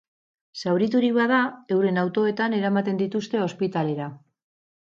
Zauriturik bada, euren autoetan eramaten dituzte ospitalera.